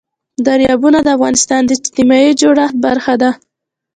دریابونه د افغانستان د اجتماعي جوړښت برخه ده.